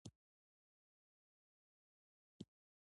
پابندي غرونه د افغانستان د ملي اقتصاد یوه برخه ده.